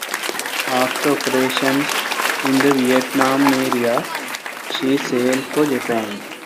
After operations in the Vietnam area, she sailed for Japan.